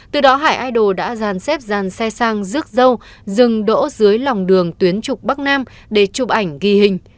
từ đó hải idol đã giàn xếp dàn xe sang rước dâu dừng đỗ dưới lòng đường tuyến trục bắc nam để chụp ảnh ghi hình